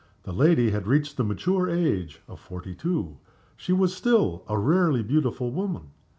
The lady had reached the mature age of forty two. She was still a rarely beautiful woman.